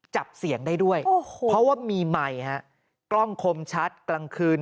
จับเสียงได้ด้วยโอ้โหเพราะว่ามีไมค์ฮะกล้องคมชัดกลางคืน